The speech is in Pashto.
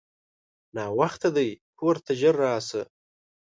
ناوخته دی کورته ژر راسه!